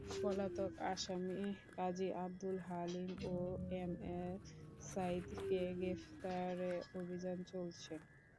পলাতক আসামি কাজী আবদুল হালিম ও এম এ সাঈদকে গ্রেপ্তারে অভিযান চলছে।